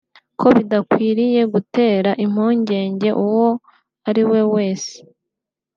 ko bidakwiriye gutera impungenge uwo ari we wese